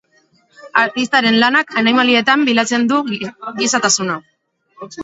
Artistaren lanak aniamlietan bilatzen du gizatasuna.